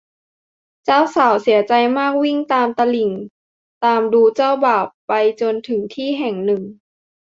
เจ้าสาวเสียใจมากวิ่งตามตลิ่งตามดูเจ้าบ่าวไปจนถึงที่แห่งหนึ่ง